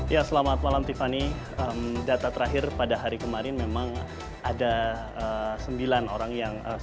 ya selamat malam tiffany data terakhir pada hari kemarin memang ada sembilan orang yang